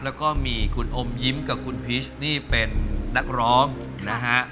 แล้วก็มีคุณอมยิ้มกับคุณพีชนี่เป็นนักร้องนะฮะ